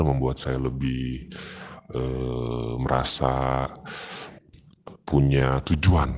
membuat saya lebih merasa punya tujuan